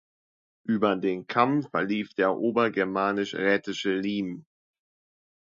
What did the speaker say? Über den Kamm verlief der Obergermanisch-Raetische Limes.